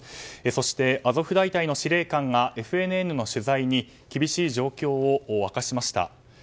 そして、アゾフ大隊の司令官がＦＮＮの取材に厳しい状況を明かしました。